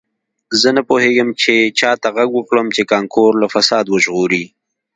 زه نه پوهیږم چې چا ته غږ وکړم چې کانکور له فساد وژغوري